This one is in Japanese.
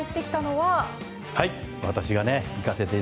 はい。